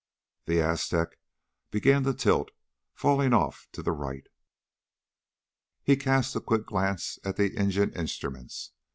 The Aztec began to tilt, falling off to the right. He cast a quick glance at the engine instruments.